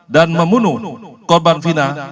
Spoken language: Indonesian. dan memunuh korban vina